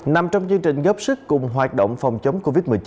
nằm trong chương trình góp sức cùng hoạt động phòng chống covid một mươi chín